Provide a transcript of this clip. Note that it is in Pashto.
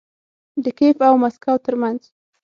د کیف او مسکو ترمنځ